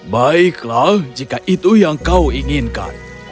baiklah jika itu yang kau inginkan